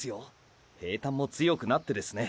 平坦も強くなってですね